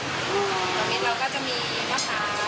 รวมมิตรเราก็จะมีมะขาวลูกเกดไขวทอง